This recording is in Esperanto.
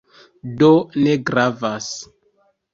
Do, ne gravas."